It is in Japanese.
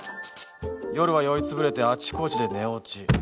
夜は酔い潰れてあちこちで寝落ち。